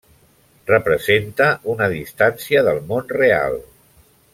Representa una distància del món real.